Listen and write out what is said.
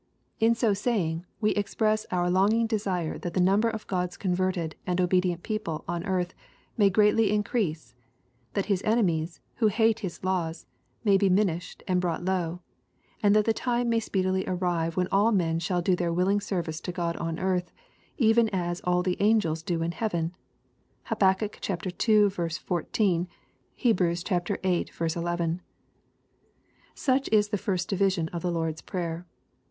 In so saying, we express our longing desire that the number of God's converted and obedient people on earth may greatly increase, that His enemies, who hate His laws, may be minished and brought low, and that the time may speedily arrive when all men shall do their willing service to God on earth, even as all the angels do in heaven. (Hab. ii. 14 ; Heb. viii. 11.) Such is the first division of the Lord's Prayer.